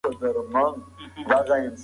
فيلسوفانو د ټولني په اړه څه ويلي دي؟